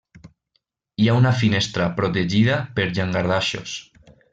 Hi ha una finestra protegida per llangardaixos.